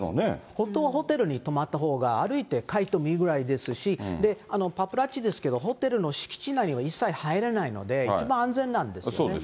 本当はホテルに泊まったほうが、歩いて帰ってもいいぐらいですし、で、パパラッチですけど、ホテルの敷地内には一切入れないので、一番安全なんですよね。